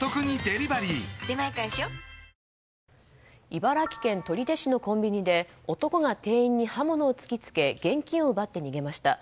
茨城県取手市のコンビニで男が店員に刃物を突き付け現金を奪って逃げました。